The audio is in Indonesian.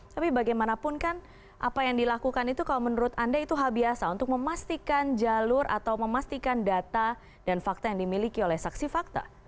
tapi bagaimanapun kan apa yang dilakukan itu kalau menurut anda itu hal biasa untuk memastikan jalur atau memastikan data dan fakta yang dimiliki oleh saksi fakta